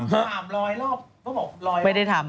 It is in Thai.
จะชัดฉัด